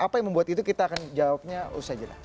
apa yang membuat itu kita akan jawabnya usai jeda